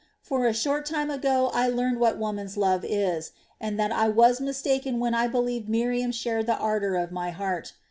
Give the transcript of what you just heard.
For a short time ago I learned what woman's love is, and that I was mistaken when I believed Miriam shared the ardor of my heart.